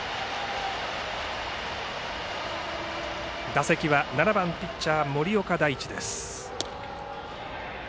打席は７番ピッチャー森岡大智です。